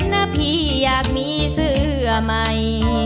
เจอหน้าพี่อยากมีเสื้อใหม่